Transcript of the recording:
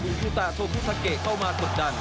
คุณพุทธาโทคุทักเกะเข้ามากดดัน